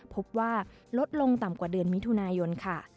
พบว่าลดลงต่ำกว่าเดือนมิถุนายนค่ะ